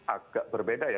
agak berbeda ya